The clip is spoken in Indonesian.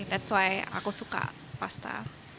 that's why aku suka pasta